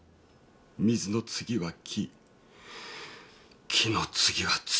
水の次は木木の次は土。